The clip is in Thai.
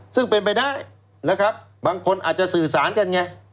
ซึ่งเป็นไปได้นะครับบางคนอาจจะสื่อสารกันไง